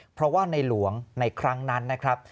เพราะว่าในหลวงในครั้งนั้นนะครับ